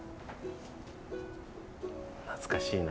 懐かしいな。